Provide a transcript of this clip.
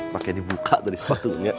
pakai dibuka dari sepatunya